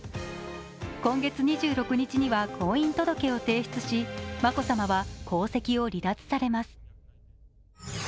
今月２６日には婚姻届を提出し眞子さまは皇籍を離脱されます。